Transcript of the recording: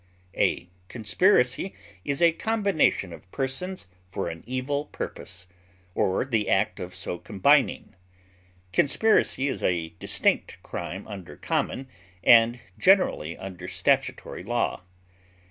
A conspiracy is a combination of persons for an evil purpose, or the act of so combining. Conspiracy is a distinct crime under common, and generally under statutory, law.